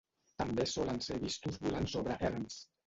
També solen ser vistos volant sobre erms.